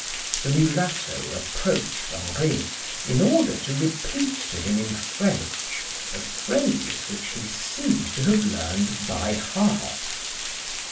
The mulatto approached Henri, in order to repeat to him in French a phrase which he seemed to have learned by heart.